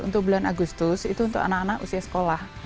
untuk bulan agustus itu untuk anak anak usia sekolah